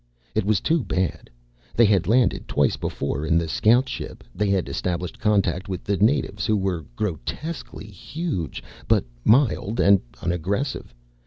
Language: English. It was too bad. They had landed twice before in the scout ship. They had established contact with the natives who were grotesquely huge, but mild and unaggressive.